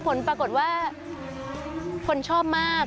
ผลปรากฏว่าคนชอบมาก